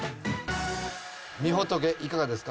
みほとけいかがですか？